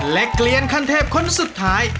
และเกลียนขั้นเทพคนสุดท้าย